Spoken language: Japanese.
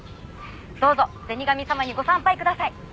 どうぞ銭神様にご参拝ください。